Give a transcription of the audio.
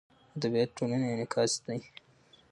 ادبیات د ټولنې انعکاس دی.